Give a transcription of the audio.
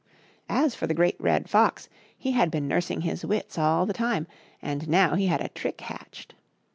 As for the Great Red Fox, he had been nursing his wits all the time, and now he had a trick hatched.